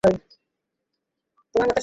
তোর মত স্বার্থপর নই।